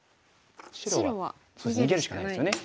白は逃げるしかないですよね。